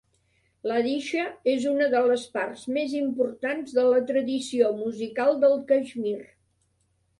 Ladishah és una de las parts més importants de la tradició musical del Caixmir.